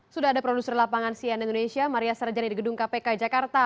sudah ada produser lapangan cnn indonesia maria sarjani di gedung kpk jakarta